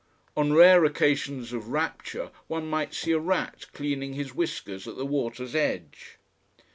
On rare occasions of rapture one might see a rat cleaning his whiskers at the water's edge.